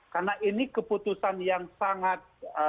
karena ini keputusan yang sangat